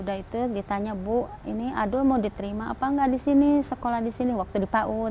udah itu ditanya bu ini adul mau diterima apa enggak di sini sekolah di sini waktu di paun